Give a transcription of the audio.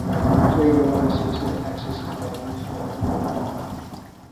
Free wireless Internet access is available throughout the building.